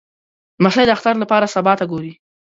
لمسی د اختر لپاره سبا ته ګوري.